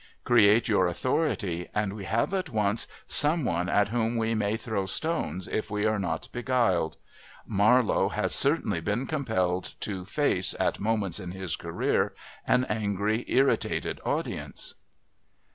Create your authority and we have at once someone at whom we may throw stones if we are not beguiled. Marlowe has certainly been compelled to face, at moments in his career, an angry, irritated audience.